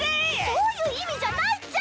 そういう意味じゃないっちゃ！